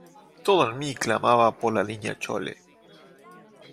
todo en mí clamaba por la Niña Chole.